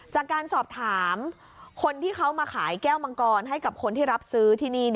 จากการสอบถามคนที่เขามาขายแก้วมังกรให้กับคนที่รับซื้อที่นี่